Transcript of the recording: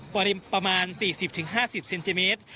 กว่าได้ประมาณ๔๐๕๐เซนติเมตร